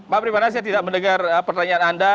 pak primana saya tidak mendengar pertanyaan anda